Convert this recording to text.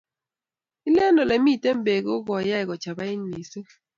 ilen ole mito peek ko kayai kochapait mising